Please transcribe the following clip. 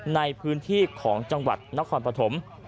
ในพื้นที่ของจังหวัดนครปฐม